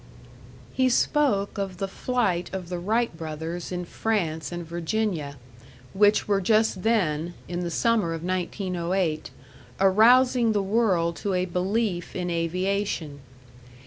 He spoke of the flight of the Wright brothers in France and Virginia, which were just then in the summer of 1908 arousing the world to a belief in aviation.